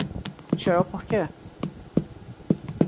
Chorou por quê?